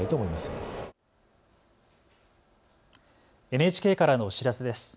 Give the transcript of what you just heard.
ＮＨＫからのお知らせです。